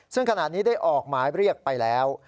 ซึ่งขณะนี้ได้ออกหมายเรียกไปแล้ว